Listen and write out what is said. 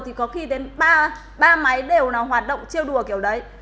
thì có khi đến ba máy đều nào hoạt động treo đùa kiểu đấy